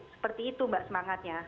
seperti itu mbak semangatnya